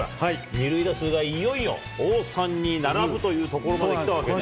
２塁打数がいよいよ王さんに並ぶというところまできてるんですね。